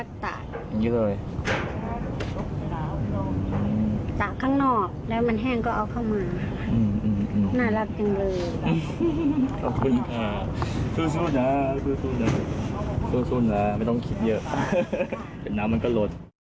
สู้นะไม่ต้องคิดเยอะเรียบร้อยมันก็รถ